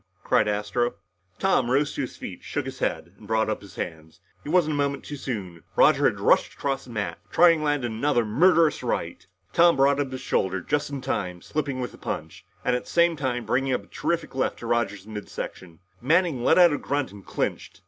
cried Astro. Tom rose to his feet shook his head and brought up his hands. He wasn't a moment too soon. Roger had rushed across the mat, trying to land another murderous right. Tom brought up his shoulder just in time, slipping with the punch, and at the same time, bringing up a terrific left to Roger's open mid section. Manning let out a grunt and clinched.